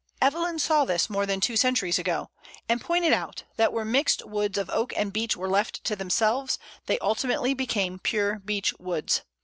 Evelyn saw this more than two centuries ago, and pointed out that where mixed woods of Oak and Beech were left to themselves, they ultimately became pure Beech woods.